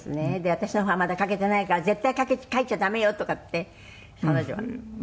「“私の方はまだ書けていないから絶対書いちゃ駄目よ”とかって彼女は」